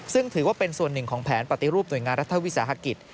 ซึ่งถือว่าเป็นส่วนหนึ่งของแผนปฏิรูปหน่วยงานรัฐวิสาหกิจ